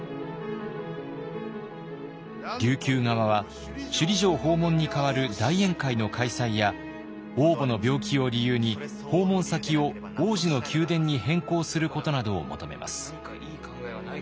琉球側は首里城訪問に代わる大宴会の開催や王母の病気を理由に訪問先を王子の宮殿に変更することなどを求めます。